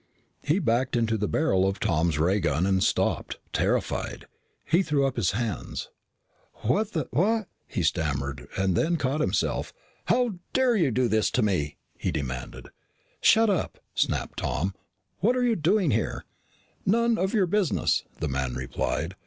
He backed into the barrel of Tom's ray gun and stopped, terrified. He threw up his hands. "What wh " he stammered and then caught himself. "How dare you do this to me?" he demanded. "Shut up!" snapped Tom. "What are you doing here?" "None of your business," the man replied.